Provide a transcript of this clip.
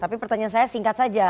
tapi pertanyaan saya singkat saja